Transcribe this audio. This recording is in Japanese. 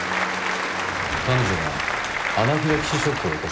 彼女がアナフィラキシーショックを起こした事は？